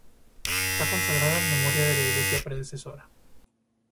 Está consagrada en memoria de la iglesia predecesora.